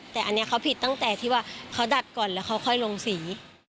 แต่อันนี้เขาผิดตั้งแต่ที่ว่าเขาดัดก่อนแล้วเขาค่อยลงสี